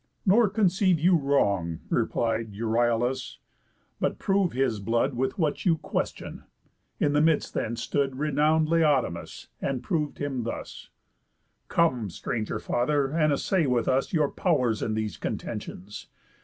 "Nor conceive you wrong," Replied Euryalus, "but prove his blood With what you question." In the midst then stood Renown'd Laodamas, and prov'd him thus: "Come, stranger father, and assay with us Your pow'rs in these contentions.